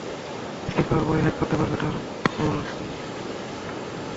Scan করার পরেই hack করতে পারবে, তারপরে দিয়ে আমাদের নেটওয়ার্ক খুঁজে পাবে।